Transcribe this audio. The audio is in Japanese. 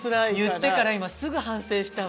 言ってから今すぐ反省したわ。